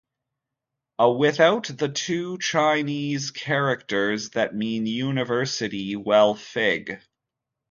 A without the two Chinese characters that mean "university," while Fig.